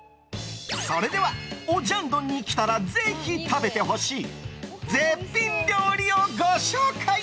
それではオジャンドンに来たらぜひ食べてほしい絶品料理をご紹介！